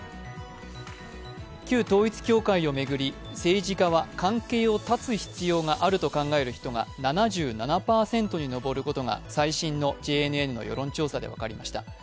旧統一教会を巡り政治家は関係を断つ必要があると考える人が７７％に上ることが、最新のＪＮＮの世論調査で分かりました。